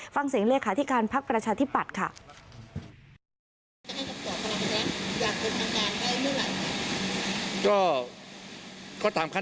ฟังเสียงเลยค่ะที่การพักประชาธิบัติค่ะ